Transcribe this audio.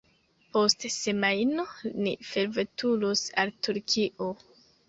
Post semajno ni forveturos al Turkio.